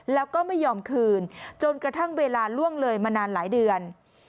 แล้วก็ไม่ยอมคืนจนกระทั่งเวลาล่วงเลยมานานหลายเดือน